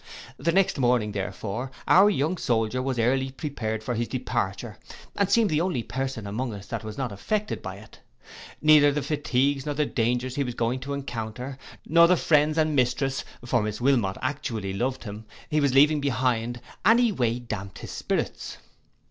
The next morning, therefore, our young soldier was early prepared for his departure, and seemed the only person among us that was not affected by it. Neither the fatigues and dangers he was going to encounter, nor the friends and mistress, for Miss Wilmot actually loved him, he was leaving behind, any way damped his spirits.